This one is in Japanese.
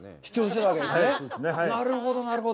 なるほど、なるほど。